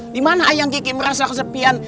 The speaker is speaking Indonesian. dimana ayam kiki merasa kesepian